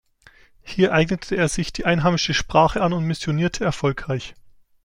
Hier eignete er sich die einheimische Sprache an und missionierte erfolgreich.